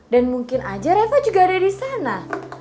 dan mungkin aja reva juga ada di sana